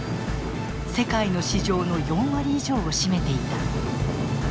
世界の市場の４割以上を占めていた。